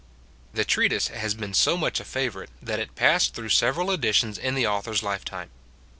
The treatise has been so much a favourite, that it passed through several editions in the author's lifetime.